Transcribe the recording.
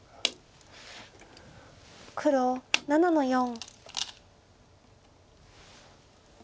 黒７の四。